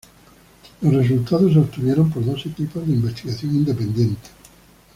Los resultados se obtuvieron por dos equipos de investigación independientes.